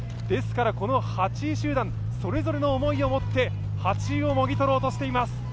ですから、この８位集団、それぞれの思いを持って８位をもぎ取ろうとしています。